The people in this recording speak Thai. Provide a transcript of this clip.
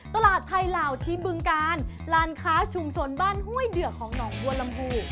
ตลาดไทยเหล่าที่บึงกาลร้านค้าชุมชนบ้านห้วยเดือกของหนองบัวลำพู